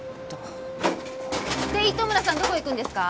って糸村さんどこ行くんですか？